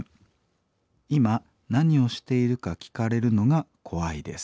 今何をしているか聞かれるのが怖いです。